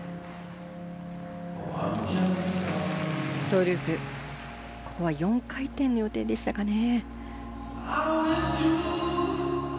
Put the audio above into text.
トウループここは４回転の予定でしたかね